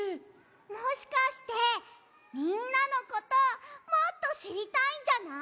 もしかしてみんなのこともっとしりたいんじゃない？